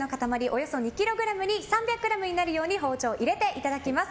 およそ２ｋｇに３００ｇになるように包丁を入れていただきます。